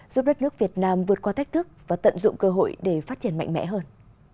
giúp đất nước việt nam vượt qua thách thức và tận dụng cơ hội để phát triển mạnh mẽ hơn